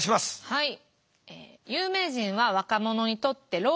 はい。